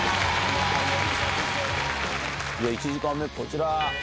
１時間目、こちら。